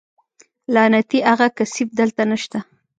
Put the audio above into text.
لعنتي اغه کثيف دلته نشته.